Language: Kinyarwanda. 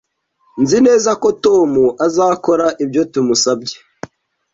Nzi neza ko Tom azakora ibyo tumusabye